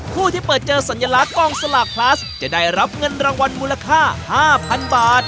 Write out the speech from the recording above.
ผู้ที่เปิดเจอสัญลักษณ์กองสลากพลัสจะได้รับเงินรางวัลมูลค่า๕๐๐๐บาท